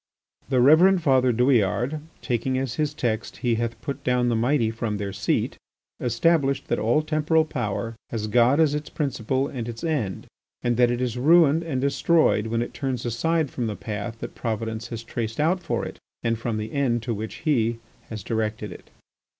The Reverend Father Douillard, taking as his text, "He hath put down the mighty from their seat," established that all temporal power has God as its principle and its end, and that it is ruined and destroyed when it turns aside from the path that Providence has traced out for it and from the end to which He has directed it.